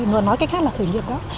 mình có nói cách khác là khởi nghiệp đó